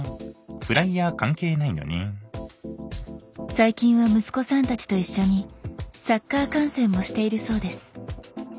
最近は息子さんたちと一緒にサッカー観戦もしているそうです。